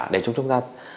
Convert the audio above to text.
để chúng ta